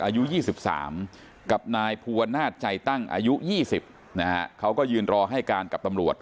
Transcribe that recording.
อายุ๒๓กับนายภูวนาศใจตั้งอายุ๒๐นะฮะเขาก็ยืนรอให้การกับตำรวจ